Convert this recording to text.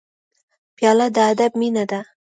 پیاله د ادب مینه ده.